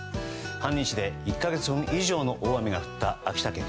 半日で１か月分以上の大雨が降った秋田県。